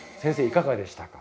いかがでしたか？